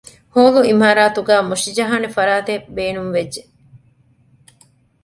ހޯލު އިމާރާތުގައި މުށިޖަހާނެ ފަރާތެއް ބޭނުންވެއްޖެ